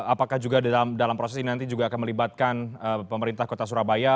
apakah juga dalam proses ini nanti juga akan melibatkan pemerintah kota surabaya